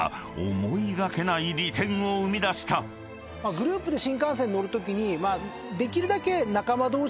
グループで新幹線乗るときにできるだけ。